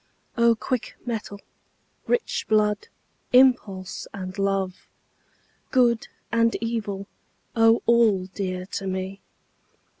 O quick mettle, rich blood, impulse, and love! Good and evil! O all dear to me!